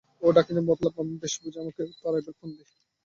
ও ডাকিনীর মতলব আমি বেশ বুঝি, আমাকে তাড়াইবার ফন্দি।